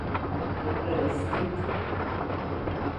Templo de St.